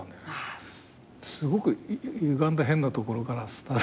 すごくゆがんだ変なところからスタートして。